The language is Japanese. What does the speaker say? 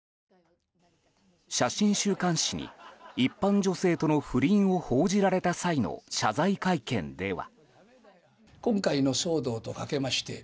写真週刊誌に、一般女性との不倫を報じられた際の謝罪会見では。